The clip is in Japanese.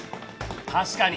確かに！